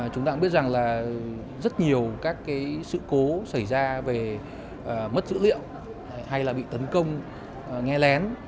chúng ta cũng biết rằng là rất nhiều các sự cố xảy ra về mất dữ liệu hay là bị tấn công nghe lén